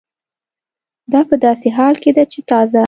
دا په داسې حال کې ده چې تازه